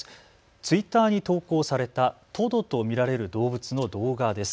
ツイッターに投稿されたトドと見られる動物の動画です。